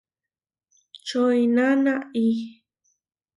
Čoʼiná náʼi.